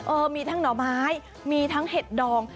มีทั้งหน่อไม้มีทั้งเห็ดดอง